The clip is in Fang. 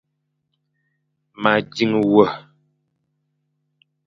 Ma dzing wa.